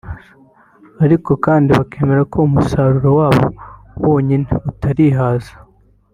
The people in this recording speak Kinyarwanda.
ariko kandi bakemera ko umusaruro wabo wonyine utarihaza